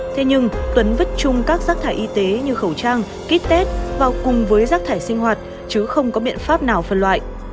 thế nhưng tuấn vứt chung các rác thải y tế như khẩu trang kít tết vào cùng với rác thải sinh hoạt chứ không có biện pháp nào phân loại